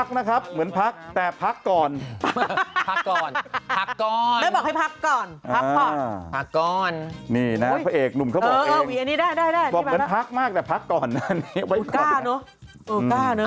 บอกเหมือนพักมากแต่พักก่อนนะ